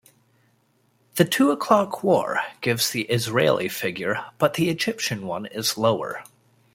"The Two O'Clock War" gives the Israeli figure but the Egyptian one is lower.